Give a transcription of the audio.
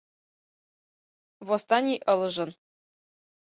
Восстаний ылыжын.